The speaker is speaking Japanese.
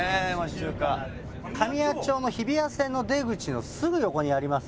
神谷町の日比谷線の出口のすぐ横にあります